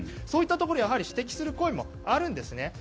そういったところを指摘する声もあるんですね。